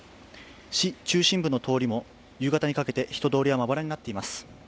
市中心部の通りも夕方にかけて人通りはまばらになっています。